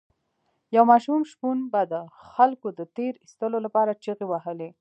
یو ماشوم شپون به د خلکو د تیر ایستلو لپاره چیغې وهلې.